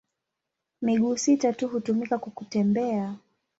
Miguu sita tu hutumika kwa kutembea.